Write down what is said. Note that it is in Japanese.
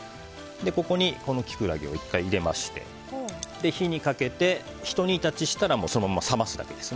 ここにキクラゲを１回入れまして火にかけて、ひと煮立ちしたらそのまま冷ますだけです。